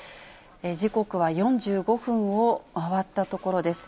時刻は４５分を回ったところです。